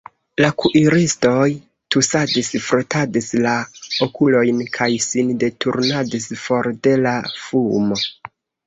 La kuiristoj tusadis, frotadis la okulojn kaj sin deturnadis for de la fumo.